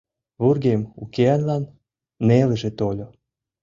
Вургем укеанлан нелыже тольо.